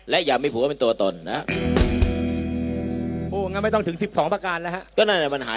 และอย่ามีผัวเป็นตัวตนนะครับ